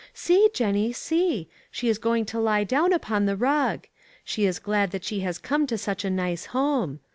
See, Jennie, see! She is going to lie down upon the rug. She is glad that she has come to such a nice home.